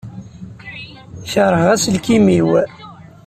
Kerheɣ aselkim-iw.